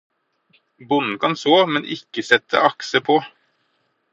Bonden kan så, men ikkje sette akset på